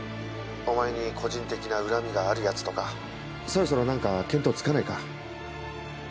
お前に個人的な恨みがあるヤツとかそろそろ何か見当付かないか？